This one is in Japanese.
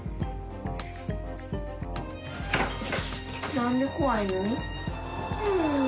何で怖いの？